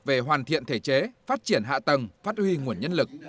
về hoàn thiện thể chế phát triển hạ tầng phát huy nguồn nhân lực